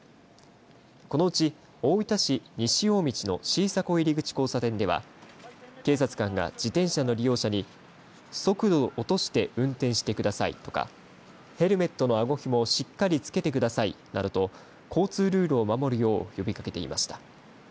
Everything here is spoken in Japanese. このうち大分市西大道の椎迫入口交差点では警察官が自転車の利用者に速度を落として運転してくださいとかヘルメットのあごひもをしっかり着けてくださいなどと交通ルールを守るよう呼びかけていました。